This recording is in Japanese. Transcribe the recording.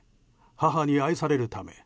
母に愛されるため。